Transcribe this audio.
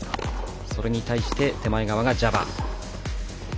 それに対して、手前側がジャバー。